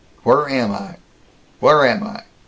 Where am I, where am I?